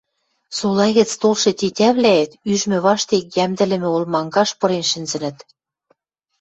Сола гӹц толшы тетявлӓэт ӱжмӹ паштек йӓмдӹлӹмӹ олмангаш пырен шӹнзӹт...